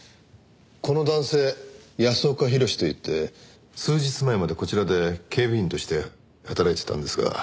この男性安岡宏といって数日前までこちらで警備員として働いていたんですが。